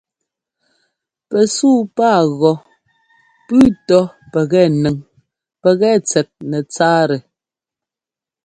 Pɛsúu pá gɔ́ pʉ́ʉ tɔ́ pɛkɛ nʉŋ pɛkɛ tsɛt nɛtsáatɛ.